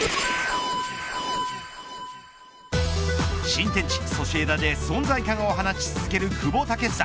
新天地ソシエダで存在感を放ち続ける久保建英。